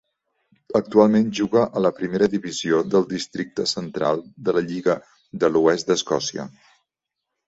Actualment juga a la primera divisió del districte central de la lliga de l'oest d'Escòcia.